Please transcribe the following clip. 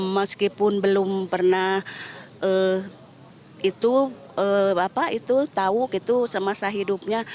meskipun belum pernah itu bapak itu tahu gitu semasa hidupnya